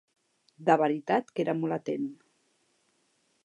De veritat que era molt atent.